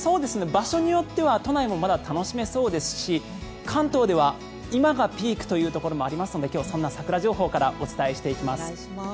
場所によっては都内もまだ楽しめそうですし関東では今がピークというところもありますので今日、そんな桜情報からお伝えしていきます。